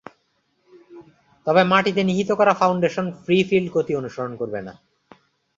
তবে মাটিতে নিহিত করা ফাউন্ডেশন ফ্রি-ফিল্ড গতি অনুসরণ করবে না।